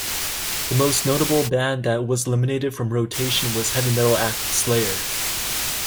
The most notable band that was eliminated from rotation was heavy metal act Slayer.